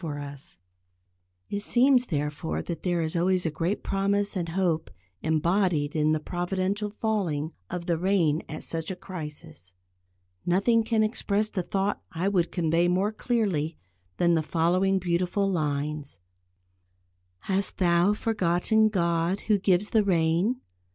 Nimbus or low stratus clouds] It seems therefore that there is always a great promise and hope embodied in the providential falling of the rain at such a crisis; nothing can express the thought I would convey more clearly than the following beautiful lines: "Hast thou forgotten God who gives the rain?